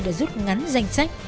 đã rút ngắn danh sách